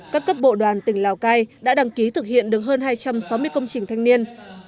các cấp bộ đoàn tỉnh lào cai đã đăng ký thực hiện được hơn hai trăm sáu mươi công trình thanh niên